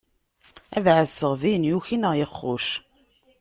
Ad ɛasseɣ din yuki naɣ yexxuc.